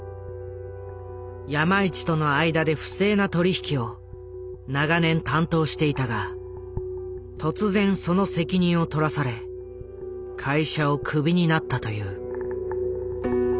山一との間で不正な取り引きを長年担当していたが突然その責任を取らされ会社をクビになったという。